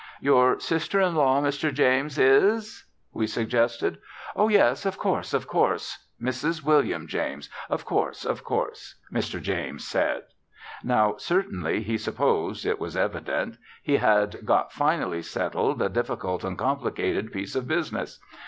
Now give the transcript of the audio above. "Your sister in law, Mr. James, is ?" we suggested. "Oh, yes, of course of course; Mrs. William James; of course of course," Mr. James said. Now, certainly, he supposed (it was evident) he had got finally settled a difficult and complicated piece of business.